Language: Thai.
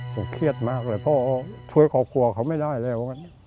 ผมเครียดมากเลยพ่อช่วยครอบครัวเขาไม่ได้แล้ว